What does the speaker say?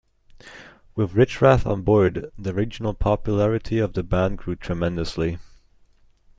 With Richrath on board, the regional popularity of the band grew tremendously.